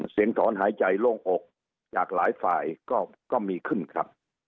ถอนหายใจโล่งอกจากหลายฝ่ายก็มีขึ้นครับ